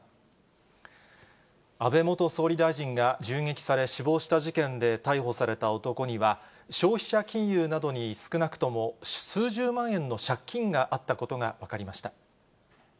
安倍元総理大臣が銃撃され、死亡した事件で逮捕された男には、消費者金融などに少なくとも数十万円の借金があったことが分かりました。